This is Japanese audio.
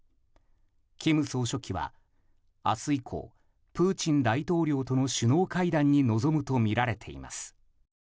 金総書記は明日以降プーチン大統領との首脳会談に臨むとみられています。